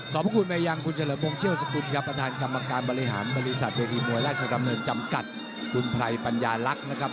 พระคุณไปยังคุณเฉลิมพงศ์เชี่ยวสกุลครับประธานกรรมการบริหารบริษัทเวทีมวยราชดำเนินจำกัดคุณไพรปัญญาลักษณ์นะครับ